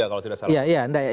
ada tiga kalau tidak salah